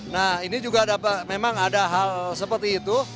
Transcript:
nah ini juga memang ada hal seperti itu